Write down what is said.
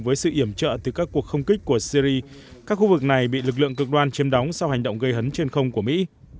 với sự iểm trợ từ các cuộc không kích của syri các khu vực này bị lực lượng cực đoan chiếm đóng sau hành động gây hấn trên không của mỹ